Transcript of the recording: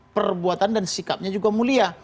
perbuatan dan sikapnya juga mulia